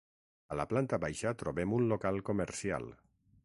A la planta baixa trobem un local comercial.